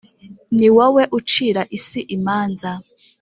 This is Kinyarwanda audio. Ni wowe ucira isi imanza.